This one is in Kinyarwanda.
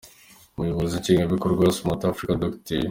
Umuyobozi nshingwabikorwa wa Smart Africa, Dr.